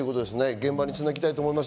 現場につなぎたいと思います。